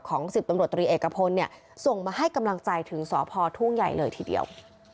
๑๐ตำรวจตรีเอกพลเนี่ยส่งมาให้กำลังใจถึงสพทุ่งใหญ่เลยทีเดียว